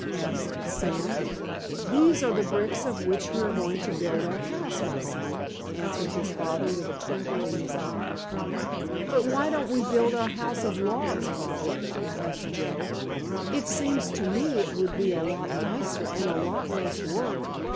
asked Sam. "These are the bricks of which we are going to build our house, my son," answered his father with a twinkle in his eye. "But why don't we build our house of logs, Father?" asked Joe. "It seems to me it would be a lot nicer, and a lot less work.